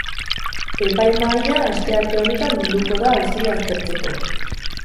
Epaimahaia astearte honetan bilduko da auzia aztertzeko.